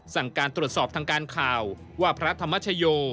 สั่งการตรวจสอบทางการข่าวว่าพระธรรมชโย